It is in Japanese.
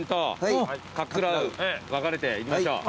分かれて行きましょう。